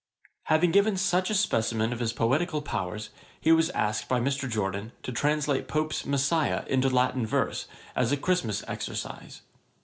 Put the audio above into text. Having given such a specimen of his poetical powers, he was asked by Mr. Jorden, to translate Pope's Messiah into Latin verse, as a Christmas exercise.